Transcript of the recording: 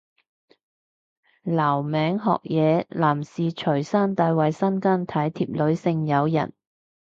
留名學嘢，男士隨身帶衛生巾體貼女性友人